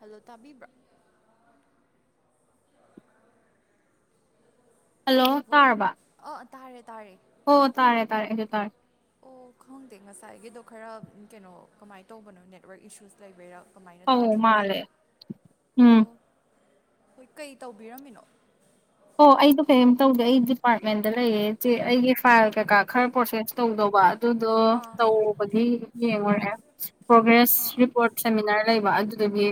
Hello ꯇꯥꯕꯤꯕ꯭ꯔꯣ hello ꯚꯣꯏ ꯇꯥꯔꯕ ꯑ ꯇꯥꯔꯦ ꯇꯥꯔꯦ ꯍꯣ ꯇꯥꯔꯦ ꯇꯥꯔꯦ ꯑꯩꯖꯨ ꯇꯥꯔꯦ ꯑꯣ ꯈꯪꯗꯦ ꯉꯁꯥꯏꯒꯤꯗꯣ ꯈꯔ ꯀꯩꯅꯣ ꯀꯃꯥꯏꯅ ꯇꯧꯕꯅꯣ ꯅꯦꯠꯋꯥꯛ ꯏꯁꯨꯁ ꯂꯩꯕꯩꯔꯥ ꯀꯃꯥꯏꯅ ꯑꯧ ꯇꯥꯗ꯭ꯔꯤꯅꯣ ꯈꯪ- ꯃꯥꯂꯦ ꯎꯝ ꯑꯣ ꯍꯣꯏ ꯀꯩ ꯇꯧꯕꯤꯔꯝꯃꯤꯅꯣ ꯑꯣ ꯑꯩꯗꯣ ꯀꯩꯝ ꯇꯧꯗꯦ ꯑꯩ ꯗꯤꯄꯥꯔꯠꯃꯦꯟꯗ ꯂꯩꯌꯦ ꯆꯦ ꯑꯩꯒꯤ ꯐꯥꯏꯜ ꯀꯩꯀꯥ ꯈꯔ ꯄ꯭ꯔꯣꯁꯦꯁ ꯇꯧꯗꯧꯕ ꯑꯗꯨꯗꯣ ꯇꯧꯕꯒꯤ ꯌꯦꯡꯉꯨꯔꯦ ꯄ꯭ꯔꯣꯒ꯭ꯔꯦꯁ ꯔꯤꯄꯣꯔꯠ ꯁꯦꯃꯤꯅꯥꯔ ꯂꯩꯕ ꯑꯗꯨ ꯑꯗꯨꯒꯤ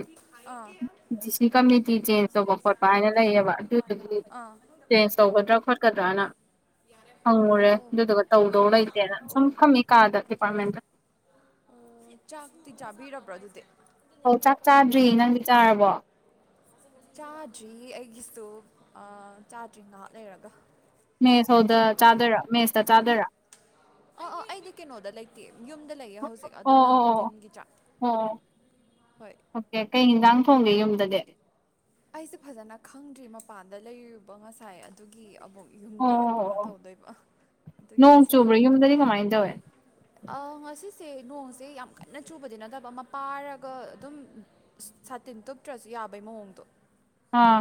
ꯗꯤ ꯁꯤ ꯀꯝꯃꯨꯅꯤꯇꯤ ꯆꯦꯟꯖ ꯇꯧꯕ ꯈꯣꯠꯄ ꯍꯥꯏꯅ ꯂꯩꯌꯦꯕ ꯑꯗꯨꯗꯨꯒꯤ ꯑꯥ ꯆꯦꯟꯖ ꯇꯧꯒꯗ꯭ꯔꯥ ꯈꯣꯠꯀꯗ꯭ꯔꯅ ꯍꯪꯉꯨꯔꯦ ꯑꯣ ꯑꯗꯨꯗꯨꯒ ꯇꯧꯗꯧ ꯂꯩꯇꯦꯅ ꯑꯣ ꯁꯨꯝ ꯐꯝꯃꯤ ꯀꯥꯗ ꯗꯤꯄꯥꯔꯠꯃꯦꯟꯗ ꯑꯣ ꯆꯥꯛꯇꯤ ꯆꯥꯕꯤꯔꯕ꯭ꯔꯣ ꯑꯗꯨꯗꯤ ꯑꯣ ꯆꯥꯛ ꯆꯥꯗ꯭ꯔꯤ ꯅꯪꯗꯤ ꯆꯥꯔꯕꯣ ꯆꯥꯗ꯭ꯔꯤ ꯑꯩꯒꯤꯁꯨ ꯑꯥ ꯆꯥꯗ꯭ꯔꯤ ꯉꯍꯥꯛ ꯂꯩꯔꯒ ꯃꯦꯁ ꯍꯣꯜꯗ ꯆꯥꯗꯣꯏꯔꯥ ꯃꯦꯁꯇ ꯆꯥꯗꯣꯏꯔꯥ ꯑꯣ ꯑꯣ ꯑꯩꯗꯤ ꯀꯩꯅꯣꯗ ꯂꯩꯇꯦ ꯌꯨꯝꯗ ꯂꯩꯌꯦ ꯑꯣ ꯍꯧꯖꯤꯛ ꯑꯣ ꯑꯗꯨꯅ ꯑꯗꯨꯝ ꯑꯣ ꯌꯨꯝꯒꯤ ꯆꯥꯛ ꯎꯝ ꯑꯣ ꯍꯣꯏ ꯑꯣꯀꯦ ꯀꯩ ꯍꯦꯟꯖꯥꯡ ꯊꯣꯡꯒꯦ ꯌꯨꯝꯗꯗꯤ ꯑꯩꯁꯦ ꯐꯖꯅ ꯈꯪꯗ꯭ꯔꯤ ꯃꯄꯥꯟꯗ ꯂꯩꯔꯤꯔꯨꯕ ꯉꯁꯥꯏ ꯑꯗꯨꯒꯤ ꯑꯕꯣꯛ ꯑꯣ ꯌꯨꯝꯗ ꯑꯣ ꯀꯩꯅꯣ ꯑꯣ ꯇꯧꯗꯣꯏꯕ ꯑꯗꯨ ꯅꯣꯡ ꯉꯁꯤꯗꯣ ꯆꯨꯕ꯭ꯔꯥ ꯑꯗꯨꯝ ꯌꯨꯝꯗꯗꯤ ꯀꯃꯥꯏꯅ ꯇꯧꯋꯦ ꯑꯥ ꯉꯁꯤꯁꯦ ꯅꯣꯡꯁꯦ ꯌꯥꯝ ꯀꯟꯅ ꯆꯨꯕꯗꯤ ꯅꯠꯇꯕ ꯑꯃ ꯄꯥꯔꯒ ꯑꯗꯨꯝ ꯁꯥꯇꯤꯟ ꯇꯨꯞꯇ꯭ꯔꯁꯨ ꯌꯥꯕꯩ ꯃꯑꯣꯡꯗꯣ ꯑꯥ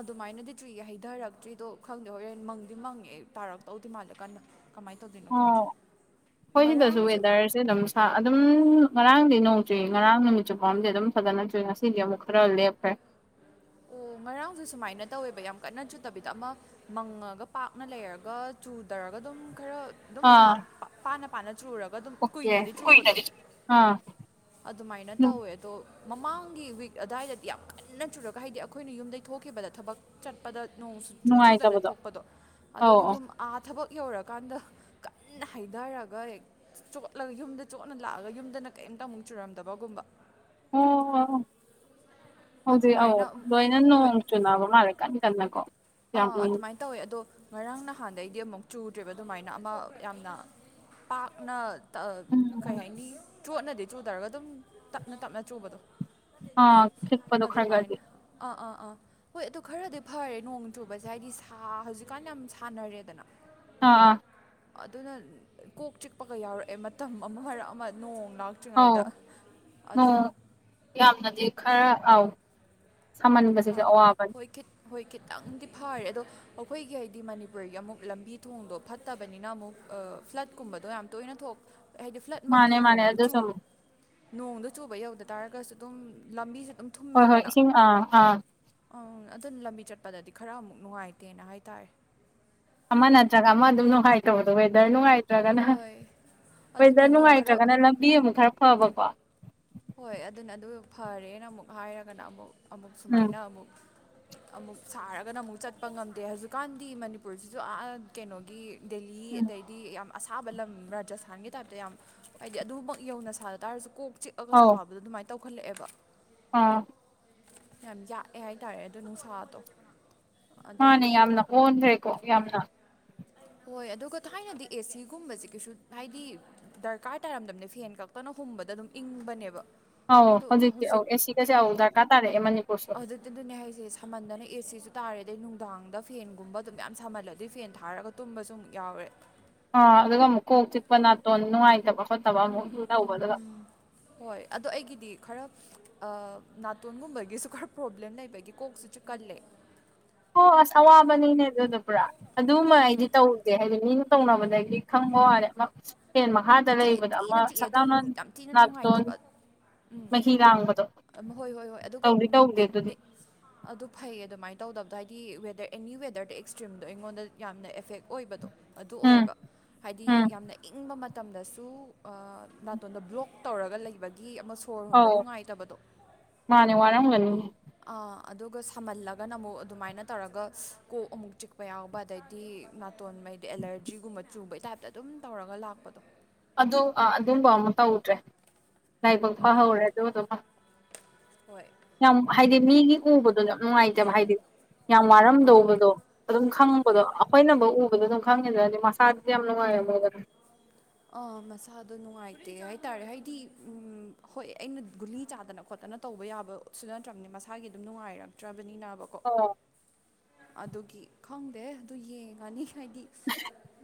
ꯑꯗꯨꯃꯥꯏꯅꯗꯤ ꯆꯨꯏꯌꯦ ꯍꯩꯊꯔꯛꯇ꯭ꯔꯤꯗꯣ ꯈꯪꯗꯦ ꯍꯣꯔꯦꯟ ꯃꯪꯗꯤ ꯃꯪꯉꯦ ꯇꯥꯔꯛꯇꯧꯗꯤ ꯃꯥꯜꯂꯦ ꯀꯟꯅ ꯀꯃꯥꯏ ꯇꯧꯗꯨꯏ ꯑꯣ ꯈꯣꯏꯁꯤꯗꯁꯨ ꯋꯦꯗꯔꯁ ꯁꯤ ꯑꯗꯨꯝ ꯑꯗꯨꯝ ꯉꯔꯥꯡꯗꯤ ꯅꯣꯡꯆꯨꯏ ꯉꯔꯥꯡ ꯅꯨꯃꯤꯠ ꯆꯨꯞꯄꯝꯗꯤ ꯑꯗꯨꯝ ꯐꯖꯅ ꯆꯨꯏ ꯉꯁꯤꯗꯤ ꯑꯃꯨꯛ ꯈꯔ ꯂꯦꯞ ꯈ꯭ꯔꯦ ꯑꯣ ꯉꯔꯥꯡꯁꯨ ꯁꯨꯃꯥꯏꯅ ꯇꯧꯋꯦꯕ ꯌꯥꯝ ꯀꯟꯅ ꯆꯨꯗꯕꯤꯗ ꯑꯃ ꯃꯪꯉꯒ ꯄꯥꯛꯅ ꯂꯩꯔꯒ ꯆꯨꯗ꯭ꯔꯒ ꯑꯗꯨꯝ ꯈꯔ ꯑꯗꯨꯝ ꯑꯥ ꯉꯍꯥꯛ ꯄꯥꯅ ꯄꯥꯅ ꯆꯨꯔꯒ ꯑꯗꯨꯝ ꯑꯣꯀꯦ ꯀꯨꯏꯅꯗꯤ ꯆꯨꯕꯗꯣ ꯀꯨꯏꯅꯗꯤ ꯑꯥ ꯑꯗꯨꯃꯥꯏꯅ ꯇꯧꯋꯦ ꯇꯣ ꯃꯃꯥꯡꯒꯤ ꯋꯤꯛ ꯑꯗꯥꯏꯗꯗꯤ ꯌꯥꯝ ꯀꯟꯅ ꯆꯨꯔꯒ ꯍꯥꯏꯗꯤ ꯑꯩꯈꯣꯏꯅ ꯌꯨꯝꯗꯩꯩ ꯊꯣꯛꯈꯤꯕꯗ ꯊꯕꯛ ꯆꯠꯄꯗ ꯅꯣꯡꯨ ꯁꯨꯛꯆꯨ ꯆꯨꯗꯅ ꯅꯨꯡꯉꯥꯏꯇꯕꯗꯣ ꯊꯣꯛꯄꯗꯣ ꯑꯧ ꯑꯗꯨꯒ ꯑꯧ ꯌꯨꯝ ꯑꯥ ꯊꯕꯛ ꯌꯧꯔꯀꯥꯟꯗ ꯀꯟꯅ ꯍꯩꯊꯔꯒ ꯆꯣꯠꯂꯒ ꯌꯨꯝꯗ ꯆꯣꯠꯅ ꯂꯥꯛꯑꯒ ꯌꯨꯝꯗꯅ ꯀꯩꯝꯇ ꯑꯃꯨꯛ ꯆꯨꯔꯝꯗꯕꯒꯨꯝꯕ ꯍꯣ ꯍꯣ ꯍꯣ ꯍꯧꯖꯤꯛ ꯑꯧ ꯑꯗꯨꯃꯥꯏꯅ ꯑꯃꯨꯛ- ꯂꯣꯏꯅ ꯍꯣꯏ ꯅꯣꯡ ꯆꯨꯅꯕ ꯃꯥꯜꯂꯦ ꯀꯟ ꯀꯟꯅꯀꯣ ꯌꯥꯝ ꯑꯥ ꯎꯏ ꯑꯗꯨꯃꯥꯏꯅ ꯇꯧꯋꯦ ꯑꯗꯣ ꯉꯔꯥꯡ ꯅꯍꯥꯟꯗꯩꯩꯗꯤ ꯑꯃꯨꯛ ꯆꯨꯗ꯭ꯔꯦꯕ ꯑꯗꯨꯃꯥꯏꯅ ꯑꯃ ꯌꯥꯝꯅ ꯄꯥꯛꯅ ꯎꯝ ꯀꯩ ꯎꯝ ꯍꯥꯏꯅꯤ ꯆꯣꯠꯅꯗꯤ ꯆꯨꯗ꯭ꯔꯒ ꯑꯗꯨꯝ ꯇꯞꯅ ꯇꯞꯅ ꯆꯨꯕꯗꯣ ꯑꯥ ꯈꯤꯛꯄꯗꯣ ꯈꯔ ꯈꯔꯗꯤ ꯑꯗꯨꯃꯥꯏꯅ ꯑꯥ ꯑꯥ ꯑꯥ ꯍꯣꯏ ꯑꯗꯨ ꯈꯔꯗꯤ ꯐꯔꯦ ꯅꯣꯡꯗꯤ ꯆꯨꯕꯁꯦ ꯍꯥꯏꯗꯤ ꯁꯥ ꯍꯧꯖꯤꯛꯀꯥꯟ ꯌꯥꯝ ꯁꯥꯟꯅꯔꯦꯗꯅ ꯑꯥ ꯑꯥ ꯑꯗꯨꯅ ꯀꯣꯛ ꯆꯤꯛꯄꯒ ꯌꯥꯎꯔꯛꯑꯦ ꯃꯇꯝ ꯑꯃ ꯃꯔꯛ ꯑꯃ ꯅꯣꯡ ꯑꯧ ꯂꯥꯛꯇ꯭ꯔꯤꯉꯩꯗ ꯑꯗꯨ ꯑꯣ ꯌꯥꯝꯅꯗꯤ ꯈꯔ ꯑꯧ ꯁꯥꯃꯟꯕꯁꯤꯁꯨ [inaudible] ꯑꯋꯥꯕꯅꯤ ꯍꯣꯏ ꯈꯤꯠ ꯍꯣꯏ ꯈꯤꯇꯪꯗꯤ ꯐꯥꯔꯦ ꯑꯗꯣ ꯑꯈꯣꯏꯒꯤ ꯍꯥꯏꯗꯤ ꯃꯅꯤꯄꯨꯔꯒꯤ ꯑꯃꯨꯛ ꯂꯝꯕꯤ ꯊꯣꯡꯗꯣ ꯐꯠꯇꯕꯅꯤꯅ ꯑꯃꯨꯛ ꯑ ꯐ꯭ꯂꯠꯀꯨꯝꯕꯗꯣ ꯌꯥꯝ ꯇꯣꯏꯅ ꯊꯣꯛ ꯍꯥꯏꯗꯤ ꯐ꯭ꯂꯠꯃꯛꯀꯤ ꯃꯥꯅꯦ ꯃꯥꯅꯦ ꯅꯣꯡꯗꯨ ꯆꯨ ꯑꯗꯨꯁꯨ ꯅꯣꯡꯗꯣ ꯆꯨꯕ ꯌꯧꯗ ꯇꯥꯔꯒꯁꯨ ꯑꯗꯨꯝ ꯂꯝꯕꯤꯁꯦ ꯑꯗꯨꯝ ꯍꯣꯏ ꯍꯣꯏ ꯊꯨꯝꯃꯤꯗꯅ ꯏꯁꯤꯡ ꯑꯥ ꯑꯥ ꯑꯪ ꯑꯗꯨꯅ ꯂꯝꯕꯤ ꯆꯠꯄꯗꯗꯤ ꯈꯔ ꯑꯃꯨꯛ ꯅꯨꯡꯉꯥꯏꯇꯦꯅ ꯍꯥꯏꯇꯥꯔꯦ ꯑꯃ ꯅꯠꯇ꯭ꯔꯒ ꯑꯃ ꯑꯗꯨꯝ ꯅꯨꯡꯉꯥꯏꯇꯕꯗꯣ ꯋꯦꯗꯔ ꯅꯨꯡꯉꯥꯏ ꯇ꯭ꯔꯒꯅ ꯍꯣꯏ ꯑꯗꯨꯅꯦ ꯋꯦꯗꯔ ꯅꯣꯡ ꯈꯔ ꯅꯨꯡꯉꯥꯏꯇ꯭ꯔꯒꯅ ꯂꯝꯕꯤ ꯑꯃꯨꯛ ꯈꯔ ꯐꯕꯀꯣ ꯍꯣꯏ ꯑꯗꯨꯅ ꯑꯗꯨ ꯐꯔꯦꯅ ꯑꯃꯨꯛ ꯍꯥꯏꯔꯒꯅ ꯑꯃꯨꯛ ꯑꯃꯨꯛ ꯎꯝ ꯁꯨꯃꯥꯏꯅ ꯑꯃꯨꯛ ꯑꯃꯨꯛ ꯁꯥꯔꯒꯅ ꯑꯃꯨꯛ ꯆꯠꯄ ꯉꯝꯗꯦ ꯍꯧꯖꯤꯛꯀꯥꯟꯗꯤ ꯃꯅꯤꯄꯨꯔꯁꯤꯁꯨ ꯑꯥ ꯀꯩꯅꯣꯒꯤ ꯗꯦꯂꯤ ꯎꯝ ꯑꯗꯩꯗꯤ ꯌꯥꯝ ꯑꯁꯥꯕ ꯂꯝ ꯔꯥꯖꯁꯊꯥꯟꯒꯤ ꯇꯥꯏꯞꯇ ꯌꯥꯝ ꯍꯥꯏꯗꯤ ꯑꯗꯨꯃꯛ ꯌꯧꯅ ꯁꯥꯗ ꯇꯥꯔꯁꯨ ꯀꯣꯛ ꯆꯤꯛ ꯑꯒ ꯑꯧ ꯁꯥꯕꯗꯣ ꯑꯗꯨꯃꯥꯏꯅ ꯇꯧꯈꯠꯂꯛꯑꯦꯕ ꯑꯥ ꯌꯥꯝ ꯌꯥꯛꯑꯦ ꯍꯥꯏꯇꯥꯔꯦ ꯑꯗꯣ ꯅꯨꯡꯁꯥꯗꯣ ꯃꯥꯅꯦ ꯑꯗꯨꯒꯤ ꯌꯥꯝꯅ ꯑꯣꯟꯒꯔꯦꯀꯣ ꯌꯥꯝꯅ ꯍꯣꯏ ꯑꯗꯨꯒ ꯊꯥꯏꯅꯗꯤ ꯑꯦꯁꯤꯒꯨꯝꯕꯁꯤ ꯀꯩꯁꯨ ꯍꯥꯏꯗꯤ ꯗꯔꯀꯥꯔ ꯇꯥꯔꯝꯗꯝꯅꯦ ꯐꯦꯟ ꯈꯛꯇꯅ ꯍꯨꯝꯕꯗ ꯑꯗꯨꯝ ꯏꯪꯕꯅꯦꯕ ꯑꯧ ꯑꯗꯣ ꯍꯧꯖꯤꯛꯇꯤ ꯑꯧ ꯍꯧꯖꯤꯛ ꯑꯦꯁꯤꯒꯁꯦ ꯑꯧ ꯗꯔꯀꯥꯔ ꯇꯥꯔꯦꯑꯦ ꯃꯅꯤꯄꯨꯔꯁꯨ ꯇꯨꯗꯨꯅꯦ ꯍꯥꯏꯖꯦ ꯁꯥꯝꯃꯟꯗꯅ ꯑꯦ ꯁꯤꯁꯨ ꯇꯥꯔꯦ ꯑꯗꯩ ꯅꯨꯡꯗꯥꯡꯗ ꯐꯦꯟꯒꯨꯝꯕ ꯑꯗꯨꯝ ꯃꯌꯥꯝ ꯁꯥꯝꯃꯜꯂꯗꯤ ꯐꯦꯟ ꯊꯥꯔꯒ ꯇꯨꯝꯕꯁꯨꯨ ꯑꯃꯨꯛ ꯌꯥꯎꯔꯦ ꯑꯥ ꯑꯗꯨꯒ ꯑꯃꯨꯛ ꯀꯣꯛ ꯆꯤꯛꯄ ꯅꯥꯇꯣꯟ ꯅꯨꯡꯉꯥꯏꯇꯕ ꯈꯣꯠꯇꯕ ꯑꯃꯨꯛ ꯑꯗꯨꯝ ꯇꯧꯕ ꯑꯗꯨꯒ ꯍꯣꯏ ꯑꯗꯣ ꯑꯩꯒꯤꯗꯤ ꯈꯔ ꯑꯥ ꯅꯥꯇꯣꯟꯒꯨꯝꯕꯒꯤꯁꯨ ꯈꯔ ꯄ꯭ꯔꯣꯕ꯭ꯂꯦꯝ ꯂꯩꯕꯒꯤ ꯀꯣꯛꯁꯤ ꯆꯤꯛꯀꯜꯂꯦ ꯑꯣ ꯑꯁ ꯑꯋꯥꯕꯅꯤꯅꯦ ꯑꯗꯨꯗꯣ ꯄꯨꯔꯥ ꯑꯗꯨꯃ ꯑꯩꯗꯤ ꯇꯧꯗꯦ ꯍꯥꯏꯗꯤ ꯃꯤꯅ ꯇꯧꯅꯕꯗꯒꯤ ꯈꯪꯕ ꯋꯥꯅꯦ ꯑꯃꯥ ꯐꯦꯟ ꯃꯈꯥꯗ ꯆꯤꯛꯑꯦ ꯂꯩꯕꯗ ꯑꯃ ꯊꯤꯅ ꯆꯤꯛꯑꯦ ꯁꯠ ꯑꯗꯨ ꯂꯥꯎꯅ ꯅꯨꯡ- ꯌꯥꯝ ꯊꯤꯅ ꯅꯥꯇꯣꯟ ꯅꯨꯡꯉꯥꯏꯇꯦꯕ ꯃꯍꯤ ꯂꯥꯡꯕꯗꯣ ꯑꯝ, ꯍꯣꯏ ꯍꯣꯏ ꯍꯣꯏ ꯑꯗꯨꯒ ꯇꯧꯗꯤ ꯎꯝ, ꯇꯧꯗꯦ ꯅꯤꯡ- ꯑꯗꯨꯗꯤ ꯅꯤꯛ- ꯑꯗꯨ ꯐꯩꯌꯦ ꯑꯗꯨꯃꯥꯏꯅ ꯇꯧꯗꯕꯗꯣ ꯍꯥꯏꯗꯤ ꯋꯦꯗꯔ ꯑꯦꯅꯤ ꯋꯦꯗꯔꯗ ꯑꯦꯛꯁꯇ꯭ꯔꯤꯝꯗꯣ ꯑꯩꯉꯣꯟꯗ ꯌꯥꯝꯅ ꯑꯦꯐꯦꯛ ꯑꯣꯏꯕꯗꯣ ꯑꯗꯨ ꯎꯝ ꯑꯣꯏꯌꯦꯕ ꯍꯥꯏꯗꯤ ꯎꯝ ꯌꯥꯝꯅ ꯏꯪꯕ ꯃꯠ ꯇꯝꯗꯁꯨ ꯑꯥ ꯅꯥꯇꯣꯟꯗ ꯕ꯭ꯂꯣꯛ ꯇꯧꯔꯒ ꯂꯩꯕꯒꯤ ꯑꯃ ꯁꯣꯔ ꯍꯣꯟꯕ ꯑꯧ ꯅꯨꯡꯉꯥꯏꯇꯕꯗꯣ ꯃꯥꯅꯦ ꯋꯥꯔꯝꯒꯅꯤ ꯑꯥ ꯑꯗꯨꯒ ꯁꯝꯃꯜꯂꯒꯅ ꯑꯃꯨꯛ ꯑꯗꯨꯃꯥꯏꯅ ꯇꯧꯔꯒ ꯀꯣꯛ ꯑꯃꯨꯛ ꯆꯤꯛꯄ ꯌꯥꯎꯕ ꯑꯗꯩꯗꯤ ꯅꯥꯇꯣꯟ ꯃꯩꯗ ꯑꯦꯂꯔꯖꯤꯒꯨꯝꯕ ꯆꯨꯕꯩ ꯇꯥꯏꯞꯇ ꯑꯗꯨꯝ ꯇꯧꯔꯒ ꯂꯥꯛꯄꯗꯣ ꯑꯗꯣ ꯑꯗꯨꯝꯕ ꯑꯃ ꯇꯧꯗ꯭ꯔꯦ ꯂꯥꯏꯕꯛ ꯑꯥ ꯐꯍꯧꯔꯦ ꯑꯗꯨꯗꯨꯃ ꯍꯣꯏ ꯌꯥꯝ ꯍꯥꯏꯗꯤ ꯃꯤꯒꯤ ꯎꯕꯗꯣ ꯌꯥꯝ ꯅꯨꯡꯉꯥꯏꯇꯕ ꯍꯥꯏꯗꯤ ꯌꯥꯝ ꯋꯥꯔꯝꯗꯧꯕꯗꯣ ꯑꯗꯨꯝ ꯈꯪꯕꯗꯣ ꯑꯩꯈꯣꯏꯅꯕꯧ ꯎꯕꯗ ꯑꯗꯨꯝ ꯈꯪꯉꯤꯗꯨꯅꯗꯤ ꯃꯁꯥꯗꯨꯗꯤ ꯌꯥꯝ ꯅꯨꯡꯉꯥꯏꯔꯝ ꯃꯣꯏꯗꯅ ꯑꯥ ꯃꯁꯥꯗꯣ ꯅꯨꯡꯉꯥꯏꯇꯦ ꯍꯥꯏꯇꯥꯔꯦ ꯍꯥꯏꯗꯤ ꯎꯝ ꯍꯣꯏ ꯑꯩꯅ ꯒꯨꯂꯤ ꯆꯥꯗꯅ ꯈꯣꯠꯇꯅ ꯇꯧꯕ ꯌꯥꯕꯁꯨ ꯅꯠꯇ꯭ꯔꯕꯅꯤ ꯃꯁꯥꯒꯤ ꯑꯗꯨꯝ ꯅꯨꯡꯉꯥꯏꯔꯛꯇ꯭ꯔꯕꯅꯤꯅꯕ ꯑꯣ ꯑꯗꯨꯒꯤ ꯈꯪꯗꯦ ꯑꯗꯨ ꯌꯦꯡꯉꯅꯤ ꯍꯥꯏꯗꯤ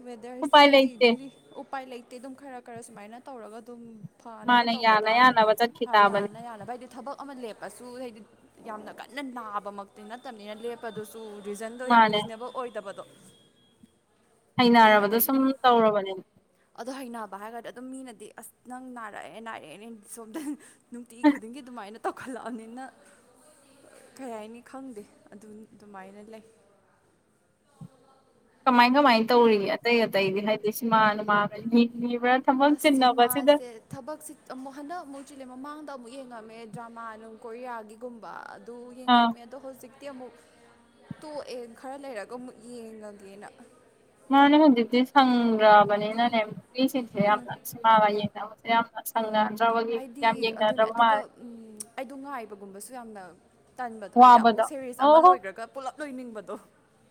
ꯋꯦꯗꯔꯁꯦ ꯎꯄꯥꯏ ꯍꯥꯏꯗꯤ ꯂꯩꯇꯦ ꯒꯨꯂꯤ ꯎꯄꯥꯏ ꯂꯩꯇꯦ ꯑꯗꯨꯝ ꯈꯔ ꯈꯔ ꯁꯨꯃꯥꯏꯅ ꯇꯧꯔꯒ ꯑꯗꯨꯝ ꯐꯅꯕ ꯃꯥꯅ ꯇꯧꯕ ꯌꯥꯅ ꯇꯥꯝꯕꯅꯦ ꯌꯥꯅꯕ ꯆꯠꯈꯤ ꯇꯥꯕꯅꯤ ꯌꯥꯅ ꯌꯥꯅꯕ ꯍꯥꯏꯗꯤ ꯊꯕꯛ ꯑꯃ ꯂꯦꯞꯄꯁꯨ ꯍꯥꯏꯗꯤ ꯌꯥꯝꯅ ꯀꯟꯅ ꯅꯥꯕꯃꯛꯇꯤ ꯅꯠꯇꯝꯅꯤꯅ ꯂꯦꯞꯄꯗꯨꯁꯨ ꯇꯨ ꯔꯤꯖꯟꯗꯣ ꯌꯥꯝ ꯃꯥꯅꯦ ꯔꯤꯖꯅꯦꯕꯜ ꯑꯣꯏꯗꯕꯗꯣ ꯍꯩꯅꯔꯕꯗꯣ ꯑꯗꯩ ꯁꯨꯝ ꯇꯧꯔꯕꯅꯤꯅ ꯑꯗꯣ ꯍꯩꯅꯕ ꯍꯥꯏꯔꯒꯔꯗꯤ ꯑꯗꯨꯝ ꯃꯤꯅꯗꯤ ꯑꯁ ꯅꯪ ꯅꯥꯔꯛꯑꯦ ꯅꯥꯔꯛꯑꯦꯅ ꯍꯦꯛꯇꯥ ꯁꯣꯝꯗ ꯅꯨꯡꯇꯤ ꯈꯨꯗꯤꯡꯒꯤ ꯑꯗꯨꯃꯥꯏꯅ ꯇꯧꯈꯠꯂꯛꯑꯅꯤꯅ ꯀꯩ ꯍꯥꯏꯅꯤ ꯈꯪꯗꯦ ꯑꯗꯨ ꯑꯗꯨꯃꯥꯏꯅ ꯂꯩ ꯀꯃꯥꯏ ꯀꯃꯥꯏꯅ ꯇꯧꯔꯤ ꯑꯇꯩ ꯑꯇꯩꯗꯤ ꯍꯥꯏꯗꯤ ꯁꯤꯃꯥ ꯅꯨꯃꯥ ꯌꯦꯡꯉꯤꯕ꯭ꯔꯥ ꯊꯕꯛ ꯑꯁ ꯆꯤꯟꯅꯕ ꯁꯤꯗ ꯁꯤꯅꯦꯃꯥꯁꯦ ꯊꯕꯛꯁꯤ ꯑꯃꯨꯛ ꯍꯟꯗꯛ ꯑꯃꯨꯛ ꯆꯤꯜꯂꯦ ꯃꯃꯥꯡꯗ ꯑꯃꯨꯛ ꯌꯦꯡꯉꯝꯃꯦ ꯗ꯭ꯔꯃꯥ ꯅꯨꯡ ꯀꯣꯔꯤꯌꯥꯒꯤꯒꯨꯝꯕ ꯗꯣ ꯑꯥ ꯌꯦꯡꯉꯝꯃꯦ ꯑꯗꯣ ꯍꯧꯖꯤꯛꯇꯤ ꯑꯃꯨꯛ ꯇꯣꯛꯑꯦ ꯈꯔ ꯂꯩꯔꯒ ꯑꯃꯨꯛ ꯌꯦꯡꯉꯒꯦꯅ ꯃꯥꯅꯦ ꯍꯧꯖꯤꯛꯇꯤ ꯁꯪꯗ꯭ꯔꯕꯅꯤꯅꯅꯦ ꯃꯤꯁꯤꯡꯁꯦ ꯌꯥꯝ ꯁꯤꯃꯥꯒ ꯌꯦꯡꯅꯕꯁꯦ ꯌꯥꯝ ꯁꯪꯅꯗ꯭ꯔꯕꯒꯤ ꯌꯥꯝ ꯍꯥꯏꯗꯤ ꯑꯗꯨꯅꯦ ꯌꯦꯡꯅꯗ꯭ꯔꯕ ꯑꯗꯨꯒ ꯃꯥꯜꯂꯦ ꯎꯝ ꯑꯩꯗꯣ ꯉꯥꯏꯕꯒꯨꯝꯕꯁꯨ ꯌꯥꯝꯅ ꯇꯟꯕꯗꯣ ꯍꯥꯏꯗꯤ ꯑꯃꯨꯛ ꯋꯥꯕꯗꯣ ꯁꯦꯔꯤꯁ ꯑꯣ ꯑꯃ ꯍꯣ ꯂꯣꯏꯒꯔꯒ ꯄꯨꯂꯞ ꯂꯣꯏꯅꯤꯡꯕꯗꯣ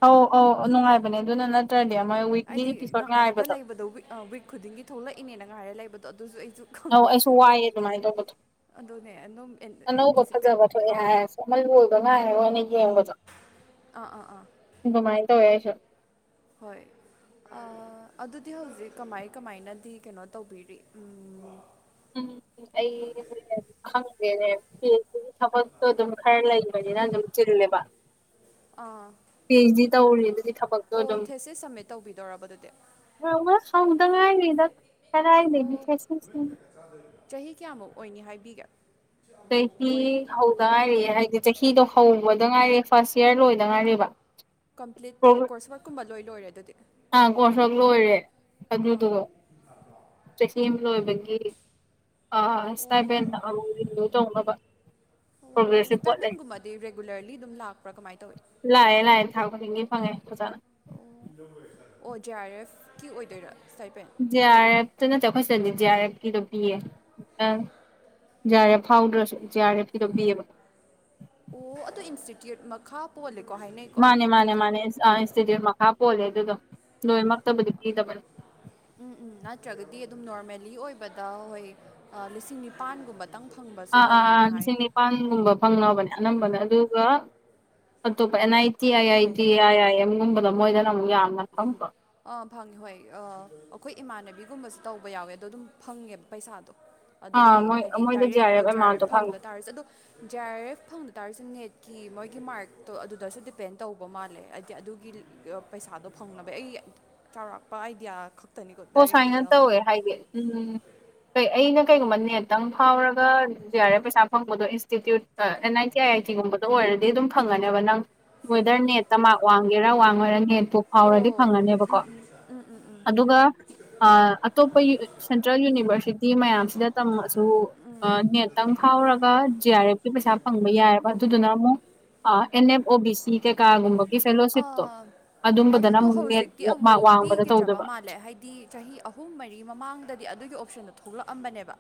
ꯑꯧ ꯑꯧ ꯅꯨꯡꯉꯥꯏꯕꯅꯦ ꯑꯗꯨꯅ ꯅꯠꯇ꯭ꯔꯗꯤ ꯃꯣꯏ ꯋꯤꯛꯂꯤ ꯍꯥꯏꯗꯤ ꯏꯄꯤꯁꯣꯠ ꯉꯥꯏꯔꯒ ꯉꯥꯏꯕꯗꯣ ꯂꯩꯕꯗꯣ ꯋꯤꯛ ꯋꯤꯛ ꯈꯨꯗꯤꯡꯒꯤ ꯊꯣꯛꯂꯛꯏꯅꯦꯅ ꯉꯥꯏꯔ ꯂꯩꯕꯗꯣ ꯑꯗꯨꯖꯨ ꯑꯩꯖꯨ ꯑꯧ ꯑꯩꯁꯨ ꯋꯥꯏꯑꯦ ꯑꯗꯨꯃꯥꯏꯅ ꯇꯧꯕꯗꯣ ꯑꯗꯨꯅꯦ ꯑꯗꯨꯝ ꯑꯦꯟ- ꯑꯅꯧꯕ ꯑꯦꯟꯇꯤꯁꯤꯄꯦꯠ ꯐꯖꯕ ꯊꯣꯛꯑꯦ ꯑꯥ ꯍꯥꯏꯔꯁꯨ ꯑꯃ ꯂꯣꯏꯕ ꯉꯥꯏꯔꯒ ꯑꯣꯢꯅ ꯌꯦꯡꯕꯗꯣ ꯑꯥ ꯑꯥ ꯑꯥ ꯗꯨꯃꯥꯏ ꯇꯧꯑꯦ ꯑꯩꯁꯨ ꯍꯣꯏ ꯑꯗꯨꯗꯤ ꯍꯧꯖꯤꯛ ꯀꯃꯥꯏ ꯀꯃꯥꯏꯅꯗꯤ ꯀꯩꯅꯣ ꯇꯧꯕꯤꯔꯤ ꯎꯝ ꯑꯩ [unintelligible] ꯈꯪꯗꯦꯅꯦ ꯍꯝ ꯑꯗꯨꯒꯤ ꯊꯕꯛꯇꯣ ꯑꯗꯨꯝ ꯈꯔ ꯂꯩꯕꯅꯤꯅ ꯑꯗꯨꯝ ꯆꯤꯜꯂꯦꯕ ꯑꯥ ꯄꯤ ꯍꯥꯁ ꯗꯤ ꯇꯧꯔꯤ ꯑꯗꯨꯗꯤ ꯊꯕꯛꯇꯣ ꯑꯣ ꯑꯗꯨꯝ ꯊꯦꯁꯦꯏ ꯁꯝꯃꯤꯠ ꯇꯧꯕꯤꯗꯧꯔꯕꯔꯥ ꯑꯗꯨꯗꯤ [unintelligible] ꯍꯗꯉꯥꯏꯔꯤꯗ ꯀꯗꯥꯏ ꯑꯣ ꯗꯒꯤ ꯊꯦꯁꯦꯏ ꯅꫭ ꯆꯍꯤ ꯀꯌꯥꯃꯨꯛ ꯑꯣꯏꯅꯤ ꯍꯥꯏꯕꯤꯒꯦ ꯆꯍꯤ ꯃꯣꯏ ꯍꯧꯗ ꯉꯥꯏꯔꯦ ꯍꯥꯏꯗꯤ ꯆꯍꯤꯗꯣ ꯍꯧꯕꯗ ꯉꯥꯏꯔꯦ ꯐꯥꯔꯁ ꯏꯌꯥꯔ ꯂꯣꯏꯗ ꯉꯥꯏꯔꯤꯕ ꯀꯝꯄ꯭ꯂꯤꯠ ꯇꯧꯕ ꯀꯣꯔꯁ ꯋꯛꯀꯨꯝꯕ ꯂꯣꯏ ꯂꯣꯏꯔꯦ ꯑꯗꯨꯗꯤ ꯑꯥ ꯀꯣꯔꯁ ꯋꯛ ꯂꯣꯏꯔꯦ ꯑꯗꯨꯗꫭ ꯆꯍꯤ ꯑꯃ ꯂꯣꯏꯕꯒꯤ ꯑ ꯑꯣ ꯁ꯭ꯇꯦꯄꯤꯟꯗ ꯑꯃꯨ [unintelligible] ꯇꯧꯅꯕ ꯑꯣ ꯄ꯭ꯔꯣꯒ꯭ꯔꯦꯁ ꯔꯤꯄꯣꯔꯠ ꯂꯩ ꯁ꯭ꯇꯦꯄꯤꯟꯒꯨꯝꯕꯗꯤ ꯔꯦꯒꯨꯂꯔꯂꯤ ꯑꯗꯨꯝ ꯂꯥꯛꯄ꯭ꯔꯥ ꯀꯃꯥꯏꯅ ꯇꯧꯏꯤ ꯂꯥꯛꯑꯦ ꯂꯥꯛꯑꯦ ꯊꯥ ꯈꯨꯗꯤꯡꯒꯤ ꯐꯪꯉꯦ ꯐꯖꯥꯅ ꯑꯣ ꯑꯣ ꯖꯦ ꯑꯥꯔ ꯑꯦꯐ ꯀꯤ ꯑꯣꯏꯗꯣꯏꯔꯥ ꯁꯥꯏꯄꯦꯟ ꯖꯦ ꯑꯥꯔ ꯑꯦꯐꯇ ꯅꯠꯇ ꯑꯩꯈꯣꯏ ꯆꯠꯗꯤ ꯖꯦ ꯑꯥꯔ ꯑꯦꯐꯀꯤꯗꯣ ꯄꯤꯌꯦ ꯑ ꯖꯦ ꯑꯥꯔ ꯑꯦꯐ ꯐꯥꯎꯗ꯭ꯔꯁꯨ ꯖꯦ ꯑꯥꯔ ꯑꯦꯐ ꯀꯤꯗꫭ ꯄꯤꯑꯕ ꯑꯣ ꯑꯗꯨ ꯏꯟꯁꯇꯤꯇ꯭ꯌꯨꯠ ꯃꯈꯥ ꯄꯣꯜꯂꯦꯀꯣ ꯍꯥꯏꯅꯦ ꯃꯥꯅꯦ ꯃꯥꯅꯦ ꯃꯥꯅꯦ ꯏꯟꯁꯇꯤꯇ꯭ꯌꯨꯠ ꯃꯈꯥ ꯄꯣꯜꯂꯦ ꯑꯗꯨꯗꯣ ꯂꯣꯏꯅꯃꯛꯇꯕꯨꯗꯤ ꯄꯤꯗꯕꯅꯤ ꯎꯝ ꯎꯝ ꯅꯠꯇ꯭ꯔꯒꯗꯤ ꯑꯗꯨꯝ ꯅꯣꯔꯃꯦꯜꯂꯤ ꯑꯣꯏꯕꯗ ꯍꯣꯏ ꯂꯤꯁꯤꯡ ꯅꯤꯄꯥꯟꯒꯨꯝꯕ ꯇꯪ ꯐꯪꯕꯁꯨ ꯑꯥ ꯑꯥ ꯑꯥ ꯂꯩꯌꯦꯅ ꯍꯥꯏ ꯂꯤꯁꯤꯡ ꯅꯤꯄꯥꯟꯒꯨꯝꯕ ꯐꯪꯅꯕꯅꯦ ꯑꯅꯝꯕꯅ ꯑꯗꯨꯒ ꯑꯇꯣꯞꯄ and I T I I D I ꯑꯥꯏ ꯑꯦꯝꯒꯨꯝꯕꯗ ꯃꯣꯏꯗꯅ ꯑꯃꯨꯛ ꯌꯥꯝꯅ ꯐꯪꯕ ꯑꯥ ꯐꯪꯉꯦ ꯍꯣꯏ ꯑ ꯑꯩꯈꯣꯏ ꯏꯃꯥꯟꯅꯕꯤꯒꯨꯝꯕꯁꯨ ꯇꯧꯕ ꯌꯥꯎꯋꯦ ꯑꯗꯣ ꯑꯗꯨꯝ ꯐꯪꯉꯦꯕ ꯄꯩꯁꯥꯗꯣ ꯑꯥ ꯑꯗꯨꯒꯤ ꯃꯣꯏ ꯍꯥꯏꯗꯤ ꯃꯣꯏꯗ ꯖꯤ ꯗꯥꯏꯔꯦꯛ ꯖꯦ ꯑꯥꯔ ꯑꯦꯃꯥꯎꯟꯇꯣ ꯑꯦꯐ ꯐꯪꯉꯦ ꯐꯪꯗ ꯇꯥꯔꯁꯨ ꯑꯗꯣ ꯖꯦ ꯑꯥꯔ ꯑꯦꯐ ꯐꯪꯕ ꯇꯥꯔꯁꯨ ꯅꯦꯠꯀꯤ ꯃꯣꯏꯒꯤ ꯃꯥꯔꯛꯇꯣ ꯑꯗꯨꯗꯁꯨ ꯗꯤꯄꯦꯟ ꯇꯧꯕ ꯃꯥꯜꯂꯦ ꯍꯥꯏꯗꯤ ꯑꯗꯨꯒꯤ ꯄꯩꯁꯥꯗꯣ ꯐꯪꯅꯕ ꯑꯩ ꯆꯥꯎꯔꯥꯛꯄ ꯑꯥꯏꯗꯤꯌꯥ ꯈꯛ ꯑꯣ ꯁꯨꯃꯥꯏꯅ ꯇꯧꯋꯦ ꯍꯥꯏꯗꯤ ꯎꯝ ꯑꯩꯅ ꯀꯩꯒꯨꯝꯕ ꯅꯦꯠꯇꯪ ꯐꯥꯎꯔꯒ ꯖꯦ ꯑꯥꯔ ꯑꯦꯐ ꯄꯩꯁꯥ ꯐꯪꯕꯗꯣ ꯏꯟꯁꯇꯤꯇ꯭ꯌꯨꯠ ꯑꯟ ꯑꯥꯏꯇꯤ ꯑꯥꯏ ꯑꯥꯏꯇꯤꯒꯨꯝꯕꯗꯥ ꯑꯣꯔꯗꯤ ꯑꯗꯨꯝ ꯐꯪꯒꯅꯦꯕ ꯅꯪ ꯋꯦꯗꯔ ꯅꯦꯠꯇ ꯃꯥꯔ ꯋꯥꯡꯒꯦꯔꯥ ꯋꯥꯡꯉꫭꯑꫭꯔ ꯅꯦꯠꯇꯣ ꯍꯥꯎꯔꯗꯤ ꯑꯣ ꯐꯪꯉꯅꯦꯕꯀꯣ ꯑꯗꯨꯒ [unintelligible] ꯑꯇꯣꯞꯄ ꯁꯦꯟꯇ꯭ꯔꯦꯜ ꯌꯨꯅꯤꯚꯔꯁꯤꯇꯤ ꯃꯌꯥꯝꯁꯤꯗ ꯇꯝꯃꯛꯁꯨ ꯅꯦꯠꯇꯪ ꯐꯥꯎꯔꯒ ꯖꯤ ꯑꯥꯔ ꯑꯦꯐꯀꯤ ꯄꯩꯁꯥ ꯐꯪꯕ ꯌꯥꯏꯑꯕ ꯑꯗꯨꯗꯨꯅ ꯑꯃꯨꯛ ꯑꯩꯟ ꯑꯩꯐ ꯑꫭ ꯕꯤ ꯁꯤ ꯀꯦ ꯀꯥꯒꯨꯝꯕ ꯑꯥ ꯑꯗꯨꯗꯣ ꯅꯦꯠ ꯍꯧꯖꯤꯛꯇꯤ ꯃꯥꯔꯛ ꯑꯃꯨꯛ ꯋꯥꯡꯕꯗ ꯄꯤꯈꯤꯗ꯭ꯔꯕ ꯇꯧꯗꯕ ꯃꯥꯜꯂꯦ ꯍꯥꯏꯗꯤ ꯆꯍꯤ ꯑꯍꯨꯝ ꯃꯔꯤ ꯃꯃꯥꯡꯗꯗꯤ ꯑꯗꯨꯒꯤ ꯑꯣꯞꯁꯟꯗꯣ ꯊꯣꯛꯂꯛꯑꯝꯕꯅꯦꯕ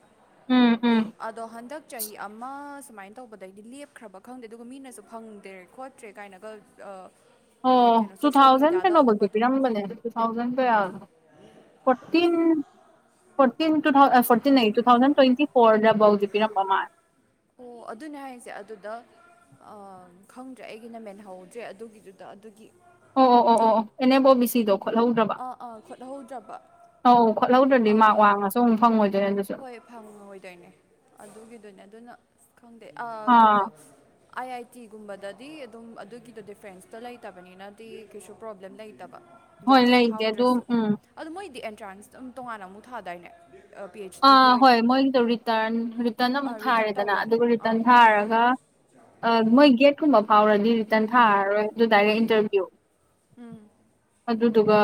ꯎꯝ ꯎꯝ ꯑꯗꯣ ꯍꯟꯗꯛ ꯆꯍꯤ ꯑꯃ ꯁꯨꯃꯥꯏꯅ ꯇꯧꯕꯗꯩꯗꯤ ꯂꯦꯞꯈ꯭ꯔꯕ ꯈꯪꯗꯦ ꯑꯗꯨꯒ ꯃꯤꯅꯁꯨ ꯐꯪꯗ꯭ꯔꯦ ꯈꯣꯠ ꯇ꯭ꯔꯦ ꯀꯥꯏꯅꯒ ꯑ, ꯑꯣ ꯀꯩꯅꯣ ꯁꯣꯁꯤꯌꯦꯜ ꯇꯨꯊꯥꯎꯖꯟ ꯃꯦꯗꯤꯌꯥꯗ ꯀꯩꯅꯣ ꯕꯥꯎꯗꯤ ꯎꯕꯗꯣ ꯄꯤꯔꯝꯕꯅꯦ ꯇꯨ ꯊꯥꯎꯖꯟ ꯀꯌꯥꯅꫭ ꯐꯣꯔꯇꯤꯟ ꯐꯣꯔꯇꯤꯟ ꯇꯨ ꯊꯥꯎ ꯐꯣꯔꯇꯤꯟ ꯑꯩ ꯇꯨ ꯊꯥꯎꯖꯟ ꯇ꯭ꯋꯦꯟꯇꯤ ꯐꯣꯔꯗ ꯐꯥꯎꯗꯥꯗꯤ ꯄꯤꯔꯝꯕ ꯃꯥꯜꯂꯦ ꯑꯣ ꯑꯗꯨꯅꯦ ꯍꯥꯏꯁꯦ ꯑꯗꯨꯗ ꯑꯥ ꯈꯪꯗ꯭ꯔꯦ ꯑꯩꯒꯤꯅ ꯃꯦꯟꯍꯧꯗ꯭ꯔꯦ ꯑꯗꯨꯒꯤꯗꯨꯗ ꯑꯗꯨꯒꯤ ꯑꯣ ꯑꯣ ꯑꯣ ꯑꯦꯅꯦꯕꯣ ꯕꯤꯁꯤꯗꯣ ꯈꯣꯠꯍꯧꯗ꯭ꯔꯕ ꯑꯥ ꯑꯥ ꯈꯣꯠꯍꯧꯗ꯭ꯔꯕ ꯑꯧ ꯈꯣꯠꯍꯧꯗ꯭ꯔꯗꯤ ꯃꯥꯛ ꯋꯥꯡꯉꯁꯨ ꯑꯃꯨꯛ ꯐꯪꯉꯣꯏꯗꯣꯏꯅꯦ ꯑꯗꯨꯁꯨ ꯍꯦ ꯐꯪꯉꯣꯏꯗꯣꯏꯅꯦ ꯑꯗꯨꯒꯤꯗꯨꯅꯦ ꯑꯗꯨꯅ ꯈꯪꯗꯦ ꯑꯥ ꯀꯩꯅꯣ ꯑꯥꯏ ꯑꯥꯏ ꯇꯤꯒꯨꯝꯕꯗꯗꯤ ꯑꯗꯨꯝ ꯑꯗꯨꯒꯤꯗꯣ ꯗꯤꯐ꯭ꯔꯦꯟꯁꯇ ꯂꯩꯇꯕꯅꯤꯅꯗꯤ ꯀꯩꯁꯨ ꯄ꯭ꯔꯣꯕ꯭ꯂꯦꯝ ꯂꯩꯇꯕ ꯍꯣꯏ ꯌꯥꯔꯦ ꯂꯩꯇꯦ ꯑꯗꯨ ꯐꯥꯎꯗ꯭ꯔꯁꯨ ꯎꯝ ꯑꯗꯨ ꯃꯣꯏꯗꯤ ꯑꯦꯟꯇ꯭ꯔꯥꯟꯁ ꯑꯗꯨꯝ ꯇꯣꯉꯥꯟꯅ ꯑꯃꯨꯛ ꯊꯥꯗꯥꯏꯅꯦ ꯄꯤ ꯍꯩꯢ ꯑꯥ ꯍꯣꯏ ꯃꯣꯏꯒꯤꯗꯣ ꯔꯤꯇꯔꯟ ꯔꯤꯇꯟ ꯑꯃꯨꯛ ꯑꯥ ꯔꯤꯇꯔꯟ ꯊꯥꯔꯦꯗꯅ ꯇꯧꯕꯅꯦ ꯑꯗꯨꯒ ꯑꯥ ꯔꯤꯇꯔꯟ ꯊꯥꯔꯒ ꯃꯣꯏ ꯒꯦꯠꯀꯨꯝꯕ ꯐꯥꯎꯔꯗꯤ ꯔꯤꯇꯔꯟ ꯊꯥꯔꯔꯣꯏ ꯑꯗꯨꯗꯥꯏꯔ ꯏꯟꯇꯔꯚꯤꯌꯨ ꯎꯝ ꯑꯗꯨꯗꯨꯒ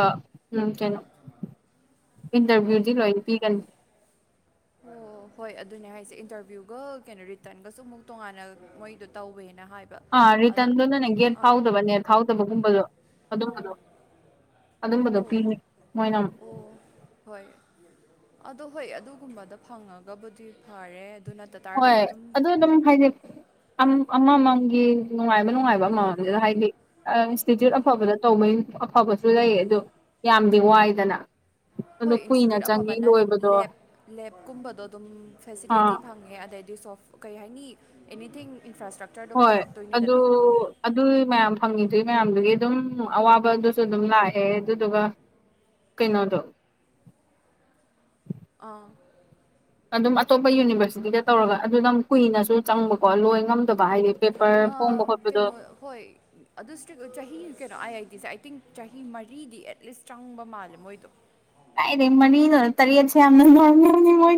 ꯀꯩꯅꯣ ꯏꯟꯇꯔꯚꯤꯌꯨꯗꯤ ꯂꯣꯏꯅ ꯄꯤꯒꯅꯤ ꯑꯣ ꯍꯣꯏ ꯑꯗꯨꯅꯦ ꯍꯥꯏꯁꯦ ꯏꯟꯇꯔꯚꯤꯌꯨꯒ ꯀꯩꯅꯣ ꯔꯤꯇꯔꯟꯒꯁꯨ ꯑꯃꯨꯛ ꯇꯣꯉꯥꯟꯅ ꯃꯣꯏꯗꯣ ꯇꯧꯋꯦꯅ ꯍꯥꯏꯕ ꯑꯥ ꯑꯗ ꯔꯤꯇꯔꯟꯗꯨ ꯅꯪ ꯒꯦꯠ ꯐꯥꯎꯗꯕꯅꯦ ꯊꯥꯎꯗꯕꯒꯨꯝꯕꯗꯣ ꯑꯗꯨꯝꯕꯗꯣ ꯑꯣ ꯑꯣ ꯑꯗꯨꯝꯕꯗꯣ ꯄꯤꯅꯤ ꯃꯣꯏꯅ ꯑꯣ ꯍꯣꯏ ꯑꯣ ꯍꯣꯏ ꯑꯗꯨꯒꯨꯝꯕꯗ ꯐꯪꯉꯒꯕꯨꯗꯤ ꯐꯔꯦ ꯑꯗꯨ ꯅꯠꯇ ꯍꯣꯏ ꯇꯥꯔꯒꯗꯤ ꯑꯗꯨ ꯑꯗꯨꯝ ꯍꯥꯏꯖꯦ ꯑꯃꯃꯝꯒꯤ ꯅꯨꯡꯉꯥꯏꯕ ꯅꯨꯡꯉꯥꯏꯕ ꯑꯃꯃꯝꯗꯨꯗ ꯍꯥꯏꯕꯤ ꯏꯟꯁꯇꯤꯇ꯭ꯌꯨꯠ ꯑꯐꯕꯗ ꯇꯧꯕꯩ ꯑꯐꯕꯁꯨ ꯂꯩ ꯑꯗꯨ ꯌꯥꯝꯗꯤ ꯋꯥꯏꯗꯅ ꯑꯗꯣ ꯍꯣꯏ ꯀꯨꯏꯅ ꯏꯟꯁꯇꯤꯇ꯭ꯌꯨꯠ ꯆꯪꯉꯤ ꯑꯐꯕꯅ ꯂꯣꯏꯕꯗꯣ ꯂꯦꯞ ꯂꯦꯞꯀꯨꯝꯕꯗꯣ ꯑꯗꯨꯝ ꯑꯥ ꯐꯦꯁꯤꯂꯤꯇꯤ ꯐꯪꯉꯦ ꯑꯗꯩꯗꯤ ꯁꯣꯐ ꯀꯩ ꯍꯥꯏꯅꯤ ꯑꯦꯅꯤꯊꯤꯡ ꯏꯟꯐ꯭ꯔꯥꯁ꯭ꯇ꯭ꯔꯛꯆꯔ ꯍꯣꯏ ꯑꯗꯨ ꯑꯗꯨ ꯃꯌꯥꯝ ꯐꯪꯉꯤꯗꯨꯏ ꯃꯌꯥꯝꯗꯨꯒꯤ ꯑꯗꯨꯝ ꯑꯋꯥꯕꯗꯨꯁꯨ ꯑꯗꯨꯝ ꯂꯥꯛꯑꯦ ꯑꯗꯨꯗꯨꯒ ꯀꯩꯅꯣꯗꯣ ꯑꯥ ꯑꯗꯨꯝ ꯑꯇꯣꯞꯄ ꯌꯨꯅꯤꯚꯔꯁꯤꯇꯤꯗ ꯇꯧꯔꯒ ꯑꯗꯨꯝ ꯀꯨꯏꯅꯁꯨ ꯆꯪꯕꯀꯣ ꯂꯣꯏ ꯉꯝꯗꯕ ꯍꯥꯏꯗꯤ ꯄꯦꯄꯔ ꯐꯣꯡꯕ ꯑꯥ, ꯈꯣꯠꯄꯗꯣ ꯀꯩꯅꯣ ꯍꯣꯏ ꯑꯗꯨ ꯁꯇ꯭ꯔꯤꯛ ꯆꯍꯤ ꯀꯩꯅꯣ ꯑꯥꯏ ꯑꯥꯏ ꯇꯤꯁꯦ ꯆꯍꯤ ꯃꯔꯤꯗꯤ ꯑꯦꯠꯂꯤꯁ ꯆꯪꯕ ꯃꯥꯜꯂꯦ ꯃꯣꯏꯗꯣ ꯀꯥꯏꯔꯦ ꯃꯔꯤꯅꯣ ꯇꯔꯦꯠꯁꯦ ꯌꯥꯝꯅ ꯅꯣꯔꯃꯦꯜ ꯑꯣꯏ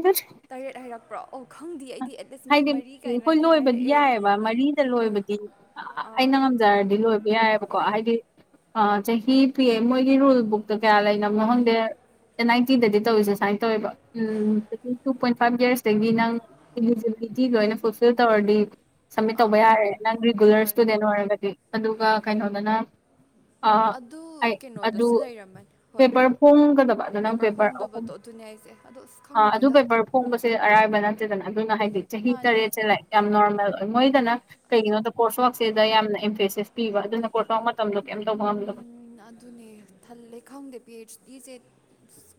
ꯇꯔꯦꯠ ꯍꯥꯏꯔꯛꯄ꯭ꯔꯣ ꯑꯣ ꯈꯪꯗꯦ ꯑꯩꯗꯤ ꯑꯦꯠꯂꯤꯁ ꯃꯣꯏ ꯍꯥꯏꯗꯤ ꯃꯔꯤ ꯍꯣꯏ ꯀꯥꯏꯅꯗꯤ ꯂꯣꯏꯕꯗꯤ ꯍꯥꯏꯔꯛꯑꯦ ꯌꯥꯏꯕ ꯃꯔꯤꯗ ꯂꯣꯏꯕꯗꯤ ꯑꯩꯅ ꯂꯣꯏꯕ ꯌꯥꯏꯑꯕꯀꯣ ꯍꯥꯏꯗꯤ ꯆꯍꯤ ꯄꯤ ꯃꯣꯏꯒꯤ ꯔꯨꯜꯕꯨꯛ ꯀꯌꯥ ꯂꯩꯅꯕꯅꯣ ꯈꯪꯗꯦ ꯑꯦꯟꯅꯥꯏꯇꯤꯗꯗꯤ ꯇꯧꯔꯤꯁ ꯁꯨꯃꯥꯏꯅ ꯇꯧꯋꯦꯕ ꯎꯝ ꯇꯨ ꯄꯣꯏꯟ ꯐꯥꯏꯚ ꯌꯔꯁꯇꯒꯤ ꯅꯪ ꯑꯦꯂꯤꯖꯤꯕꯤꯂꯤꯇꯤ ꯂꯣꯢꯅ ꯑꯩꯅ ꯐꯨꯜꯐꯤꯜ ꯇꯧꯔꯗꯤ ꯁꯃꯤꯠ ꯇꯧꯕ ꯌꯥꯔꯦ ꯅꯪ ꯔꯤꯒꯨꯂꯔ ꯍꯣꯏ ꯍꯣꯏ ꯏꯁꯇꯨꯗꯦꯟ ꯑꯣꯏꯔꯒꯗꯤ ꯑꯗꯨꯒ ꯀꯩꯅꯣꯗꯅ ꯑꯗꯨ ꯑꯩ ꯑꯗꯨ ꯀꯩꯅꯣꯗꯁꯨ ꯂꯩꯔꯝꯃꯅꯤ ꯍꯣꯏ ꯄꯦꯄꯔ ꯐꯣꯡꯒꯗꯕ ꯑꯗꯨ ꯅꯪ ꯄꯦꯄꯔ ꯑꯍꯨꯝ ꯐꯣꯡꯗꯕꯗꯣ ꯑꯗꯨꯅꯦ ꯑꯩꯁꯦ ꯑꯗꯣ ꯑꯁ ꯑꯗꯨ ꯈꯪꯗꯦꯗ ꯄꯦꯕꯔ ꯐꯣꯡꯕꯁꯦ ꯑꯔꯥꯏꯕ ꯅꯠꯇꯦꯗꯅ ꯑꯗꯨꯅ ꯍꯥꯏꯗꯤ ꯆꯍꯤ ꯇꯔꯦꯠꯁꯦ ꯂꯥꯏꯔꯤ ꯌꯥꯝ ꯅꯣꯔꯃꯦꯜ ꯑꯣꯏ ꯃꯣꯏꯗꯅ ꯀꯩꯒꯤꯅꯣꯗ ꯀꯣꯔꯁ ꯋꯛꯁꯤꯗ ꯌꯥꯝꯅ ꯏꯝꯐꯦꯁꯤꯁ ꯄꯤꯕ ꯑꯗꯨꯅ ꯀꯣꯔꯁ ꯔꯥꯛ ꯃꯇꯝꯗꯣ ꯀꯩꯝ ꯇꯧꯕ ꯉꯝꯗꯕ ꯑꯗꯨꯅꯦ ꯊꯜꯂꯦ ꯈꯪꯗꯦ ꯄꯤ ꯑꯩꯆ ꯗꯤꯁꯦ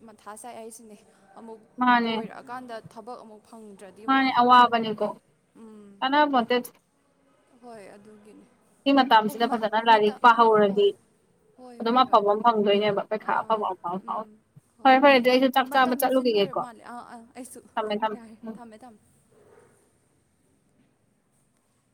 ꯃꯊꯥ ꯁꯥꯏ ꯑꯩꯁꯤꯅꯦ ꯑꯃꯨꯛ ꯃꯥꯅꯦ ꯂꯣꯏꯔꯛꯑꯀꯥꯟꯗ ꯊꯕꯛ ꯑꯃꯨꯛ ꯐꯪ ꯃꯥꯅꯦ ꯑꯋꯥꯕꯅꯤꯀꯣ ꯀꯥꯅꯕꯣꯟꯇꯦ ꯍꯣꯏ ꯑꯗꯨꯒꯤꯅꯤ ꯁꯤ ꯑꯣ ꯃꯇꯝꯁꯤꯗ ꯃ ꯐꯖꯅ ꯂꯥꯏꯔꯤꯛ ꯃꯇ ꯍꯣꯏ ꯄꯥꯍꯧꯔꯗꯤ ꯍꯣꯏ ꯑꯗꯨꯝ ꯍꯣꯏ ꯍꯣꯏ ꯑꯐꯕ ꯑꯃ ꯑꯗꯨꯅꯦ ꯐꯪꯗꯣꯏꯅꯦꯕ ꯄꯩꯈꯥ ꯑ ꯑꯐꯕ ꯑꯐꯕ ꯐꯥꯎ ꯎꯝ ꯍꯣꯏ ꯐꯔꯦ ꯐꯔꯦ ꯑꯗꯨꯗꯤ ꯑꯩꯁꯨ ꯆꯥꯛ ꯆꯥꯕ ꯃꯇꯝꯁꯤ ꯂꯣꯏꯔꯕ ꯆꯠꯂꯨꯈꯤꯒꯦꯀꯣ ꯃꯥꯜꯂꯦ ꯑꯥ ꯑꯥ ꯑꯩꯁꯨ ꯊꯝꯃꯦ ꯊꯝꯃꯦ ꯌꯥꯔꯦ ꯎꯝ ꯊꯝꯃꯦ ꯊꯝꯃꯦ꯫